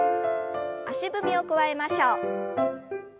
足踏みを加えましょう。